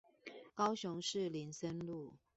高雄市林森路